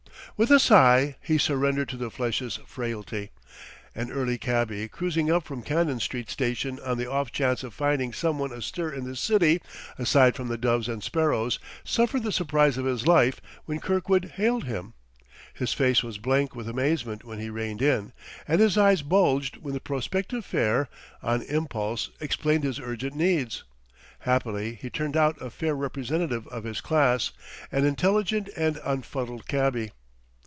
With a sigh he surrendered to the flesh's frailty. An early cabby, cruising up from Cannon Street station on the off chance of finding some one astir in the city, aside from the doves and sparrows, suffered the surprise of his life when Kirkwood hailed him. His face was blank with amazement when he reined in, and his eyes bulged when the prospective fare, on impulse, explained his urgent needs. Happily he turned out a fair representative of his class, an intelligent and unfuddled cabby.